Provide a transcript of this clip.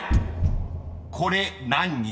［これ何日？］